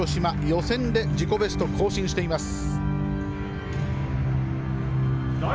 予選で自己ベスト更新しています。